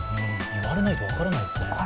言われないと分からないですね。